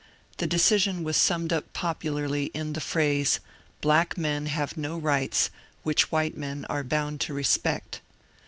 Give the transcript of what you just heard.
The decision was summed up popularly in the phrase, ^^ Black men have no rights which white men are bound to respect."